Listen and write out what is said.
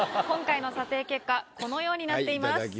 今回の査定結果このようになっています。